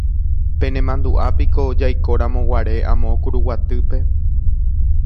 Penemandu'ápiko jaikoramoguare amo Kuruguatýpe.